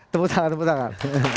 tepuk tangan tepuk tangan